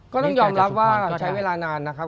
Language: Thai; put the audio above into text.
ก็ต้องยอมรับว่าใช้เวลานานนะครับ